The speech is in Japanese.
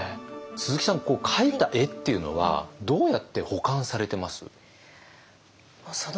鈴木さん描いた絵っていうのはどうやって保管されてます？